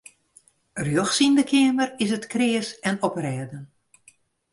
Rjochts yn de keamer is it kreas en oprêden.